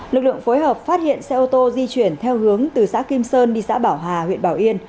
lực lượng phối hợp phát hiện xe ô tô di chuyển theo hướng từ xã kim sơn đi xã bảo hà huyện bảo yên